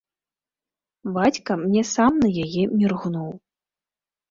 Бацька мне сам на яе міргнуў.